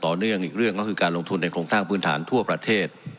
เนื่องอีกเรื่องก็คือการลงทุนในโครงสร้างพื้นฐานทั่วประเทศ